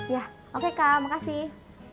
ya oke kak makasih